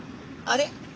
あれ？